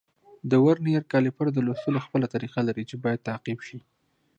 د ورنیز کالیپر د لوستلو خپله طریقه لري چې باید تعقیب شي.